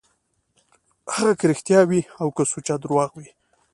هغه که رښتيا وي او که سوچه درواغ وي.